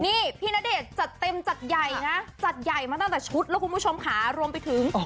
นี่พี่ณเดชน์จัดเต็มจัดใหญ่นะจัดใหญ่มาตั้งแต่ชุดแล้วคุณผู้ชมค่ะรวมไปถึง